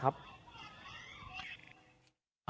โอ้โห